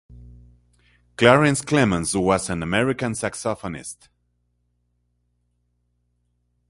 Clarence Clemons was an American saxophonist.